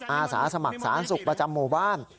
อาสาสมัครสาธารณสุขประจำหมู่บ้าน